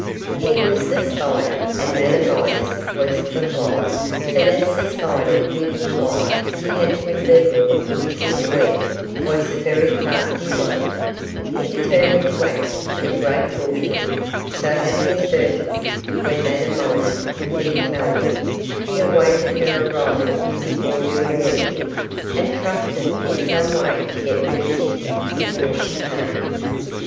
He was the spider, and Madame Midas the fly; but as the spider knew the fly he had to inveigle into his web was a very crafty one, he determined to act with great caution; so, having ascertained when Madame Midas would be in Melbourne, he awaited her arrival before doing anything, and trusted in some way to get rid of Kitty before she came.